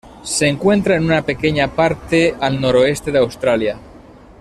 Se encuentra en una pequeña parte, al noroeste de Australia.